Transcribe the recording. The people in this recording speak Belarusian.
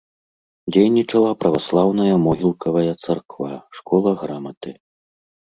Дзейнічала праваслаўная могілкавая царква, школа граматы.